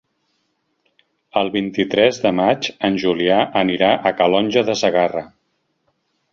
El vint-i-tres de maig en Julià anirà a Calonge de Segarra.